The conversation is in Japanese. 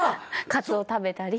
カツオ食べたり。